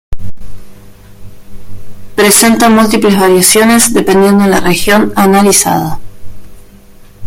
Presenta múltiples variaciones dependiendo de la región analizada.